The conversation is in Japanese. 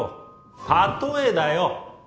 例えだよ。